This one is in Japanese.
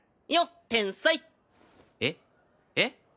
えっえっ？